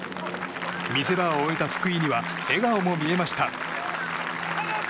見せ場を終えた福井には笑顔も見えました。